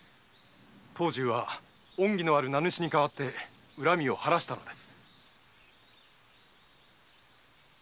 藤十は恩義のある名主に代わって恨みを晴らしたのです。